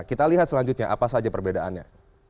kita lihat selanjutnya apa saja perbedaannya